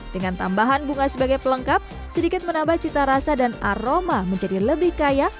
dengan tambahan bunga sebagai pelengkap sedikit menambah cita rasa dan aroma menjadi lebih kaya